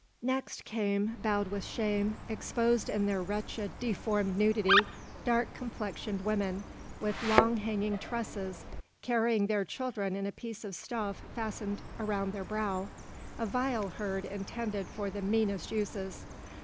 Next came, bowed with shame, exposed in their wretched, deformed nudity, dark complexioned women, with long hanging tresses, carrying their children in a piece of stuff fastened around their brow, a vile herd intended for the meanest uses.